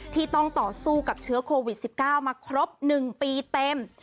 ที่ต้องต่อสู้กับเชื้อโควิด๑๙มาครบ๑ปีเต็ม